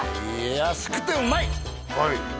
安くてうまい！